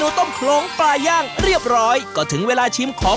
ไม่มีแบบเปรี้ยวโดดหวานโดด